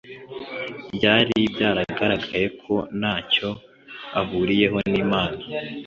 byari byagaragaye ko ntacyo ahuriyeho n'Imana.